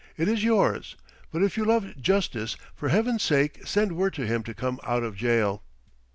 It is yours. But if you love justice, for Heaven's sake, send word to him to come out of jail!"